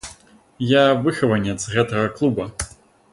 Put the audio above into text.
Я выхаванец гэтага клуба.